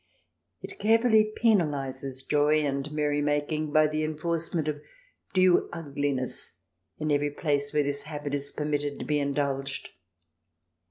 It carefully penalizes joy and merry making by the enforcement of due ugliness in every place where this habit is permitted to be indulged.